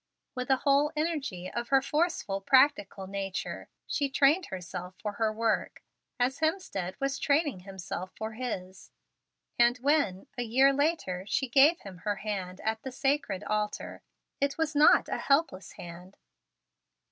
With the whole energy of her forceful, practical nature, she trained herself for her work, as Hemstead was training himself for his. And when, a year later, she gave him her hand at the sacred altar, it was not a helpless hand.